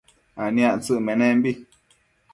aniactsëc menembi